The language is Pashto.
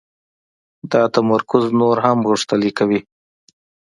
دا تمرکز نور هم غښتلی کوي.